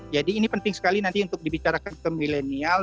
jadi ini penting sekali nanti untuk dibicarakan ke milenial